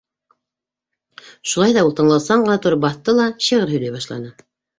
Шулай ҙа ул тыңлаусан ғына тороп баҫты ла шиғыр һөйләй башланы.